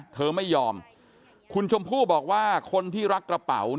เธอไม่ยอมคุณชมพู่บอกว่าคนที่รักกระเป๋า